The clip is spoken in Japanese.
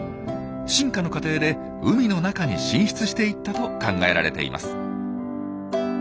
進化の過程で海の中に進出していったと考えられています。